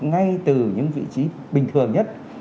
ngay từ những vị trí bình thường nhất